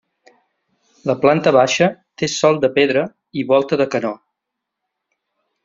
La planta baixa té sòl de pedra i volta de canó.